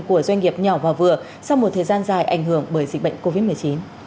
của doanh nghiệp nhỏ và vừa sau một thời gian dài ảnh hưởng bởi dịch bệnh covid một mươi chín